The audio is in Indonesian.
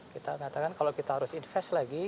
kita katakan kalau kita harus invest lagi